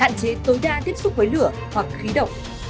ba hạn chế tối đa tiếp xúc với lửa hoặc khí động